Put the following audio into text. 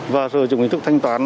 và sử dụng hình thức thanh toán